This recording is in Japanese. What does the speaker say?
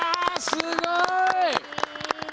すごい！